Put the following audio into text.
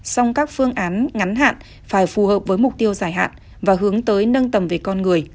song các phương án ngắn hạn phải phù hợp với mục tiêu dài hạn và hướng tới nâng tầm về con người